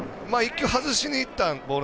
１球外しにいった